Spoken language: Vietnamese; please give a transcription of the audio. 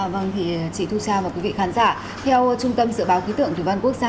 vâng thì chị thu cha và quý vị khán giả theo trung tâm sự báo ký tượng thủ văn quốc gia